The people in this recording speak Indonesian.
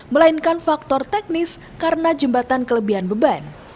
melainkan faktor teknis karena jembatan kelebihan beban